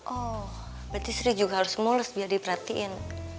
oh berarti sri juga harus mulas biar diperhatikan